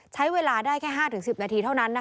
ใช้เวลาได้แค่๕๑๐นาทีเท่านั้น